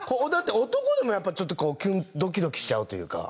男でもちょっとドキドキしちゃうというか。